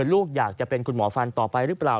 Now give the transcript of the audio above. ลูกอยากจะเป็นคุณหมอฟันต่อไปหรือเปล่า